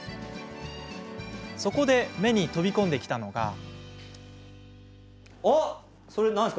そこで目に飛び込んできたのが。